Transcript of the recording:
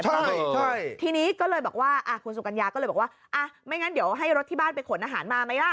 ใช่ทีนี้ก็เลยบอกว่าคุณสุกัญญาก็เลยบอกว่าอ่ะไม่งั้นเดี๋ยวให้รถที่บ้านไปขนอาหารมาไหมล่ะ